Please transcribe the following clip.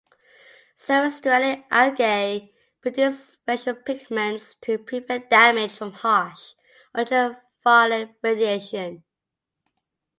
Surface-dwelling algae produce special pigments to prevent damage from harsh ultraviolet radiation.